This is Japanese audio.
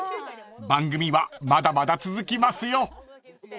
［番組はまだまだ続きますよ］